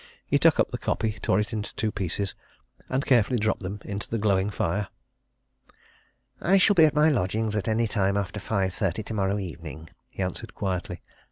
He took up the copy, tore it in two pieces, and carefully dropped them into the glowing fire. "I shall be at my lodgings at any time after five thirty tomorrow evening," he answered quietly.